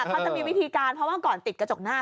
เขาจะมีวิธีการเพราะว่าก่อนติดกระจกหน้า